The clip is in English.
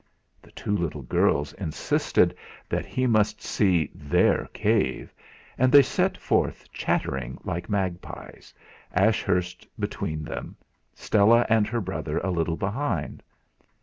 The two little girls insisted that he must see "their" cave, and they set forth chattering like magpies, Ashurst between them, Stella and her brother a little behind.